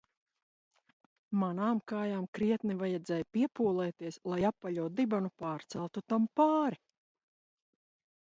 Manām kājām krietni vajadzēja piepūlēties, lai apaļo dibenu pārceltu tam pāri.